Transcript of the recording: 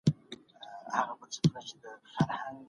رباني مرحله یوه تخیلي دوره ده.